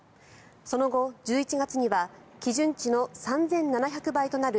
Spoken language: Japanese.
その後、１１月には基準値の３７００倍となる